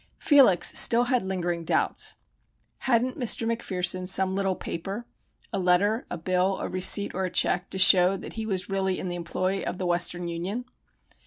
Felix still had lingering doubts. Hadn't Mr. McPherson some little paper a letter, a bill, a receipt or a check, to show that he was really in the employ of the Western Union?